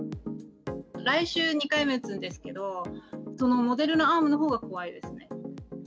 来週２回目打つんですけど、そのモデルナアームのほうが怖いですね。